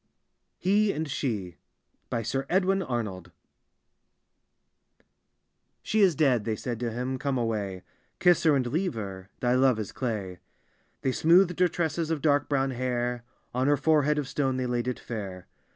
" HE AND SHE : sir edwin Arnold " She is dead I " they said to him ;" come away ; Kiss her and leave ber, — thy love is clay I " They smoothed her tresses of dark brown hair ,* On her forehead of stone they laid it fair.